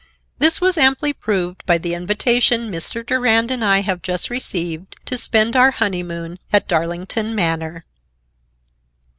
This was amply proved by the invitation Mr. Durand and I have just received to spend our honeymoon at Darlington Manor.